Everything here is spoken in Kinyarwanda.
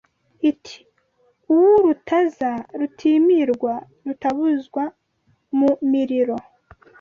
Iti uw'urutaza rutimirwa rutabuzwa mu miriro